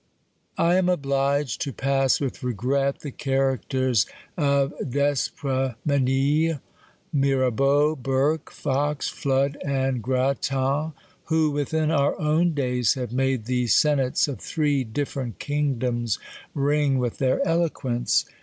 I am obliged to pass, with regret, the characters of D'Espremenil, Mirabeau, Burke, Fox, Flood, and Grattan, who, wdthin our own days, have made the Senates of three diifcrent kingdoms ring with their eloquence.